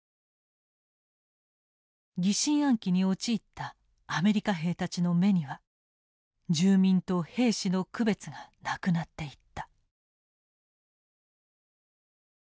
疑心暗鬼に陥ったアメリカ兵たちの目には住民と兵士の区別がなくなっていった。